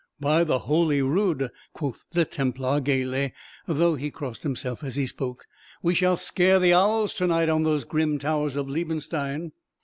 "By the holy rood," quoth the Templar, gaily, though he crossed himself as he spoke, "we shall scare the owls to night on those grim towers of Liebenstein.